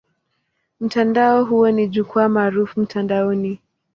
Mtandao huo ni jukwaa maarufu mtandaoni.